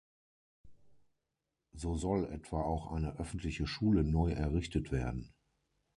So soll etwa auch eine öffentliche Schule neu errichtet werden.